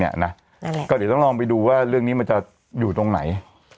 เดี๋ยวต้องลองไปดูว่าเรื่องนี้มันจะอยู่ตรงไหน